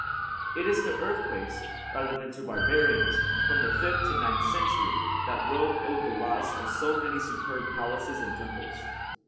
"It is to earthquakes, rather than to barbarians, from the fifth to the ninth century, that Rome owed the loss of so many superb palaces and temples.